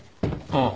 ああ。